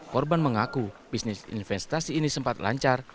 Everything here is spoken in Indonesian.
korban mengaku bisnis investasi ini sempat lancar